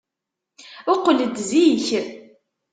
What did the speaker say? Qqel-d zik!